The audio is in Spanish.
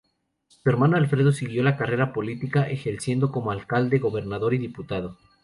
Su hermano Alfredo siguió la carrera política, ejerciendo como alcalde, gobernador y diputado.